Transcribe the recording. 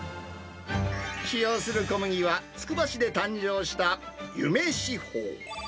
使用する小麦は、つくば市で誕生したユメシホウ。